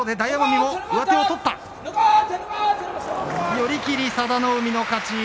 寄り切り、佐田の海の勝ち。